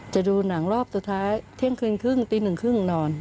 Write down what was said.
จะดูหนังรอบสุดท้ายเที่ยงคืนครึ่งตีหนึ่งครึ่งนอน